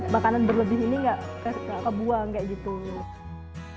makanan berlebih ini nggak kebuang kayak gitu